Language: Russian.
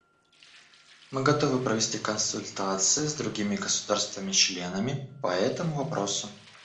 Мы готовы провести консультации с другими государствами-членами по этому вопросу.